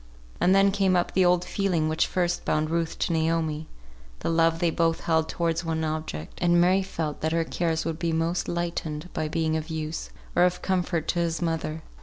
And then came up the old feeling which first bound Ruth to Naomi; the love they both held towards one object; and Mary felt that her cares would be most lightened by being of use, or of comfort to his mother.